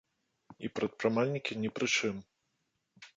І прадпрымальнікі не пры чым.